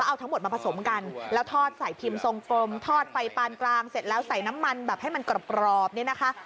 เอาทั้งหมดมาผสมกันแล้วทอดใส่พิมพ์ทรงกลมทอดไฟปานกลางเสร็จแล้วใส่น้ำมันแบบให้มันกรอบเนี่ยนะคะ